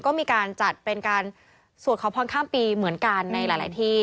ก็มีการจัดเป็นการสวดขอพรข้ามปีเหมือนกันในหลายที่